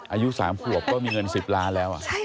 อายุ๓ขวบก็มีเงิน๑๐ล้านแล้ว